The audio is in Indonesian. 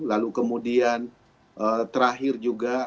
lalu kemudian terakhir juga